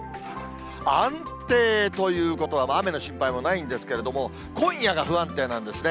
安定ということは、雨の心配もないんですけれども、今夜が不安定なんですね。